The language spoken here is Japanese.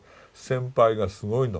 先輩がすごいの。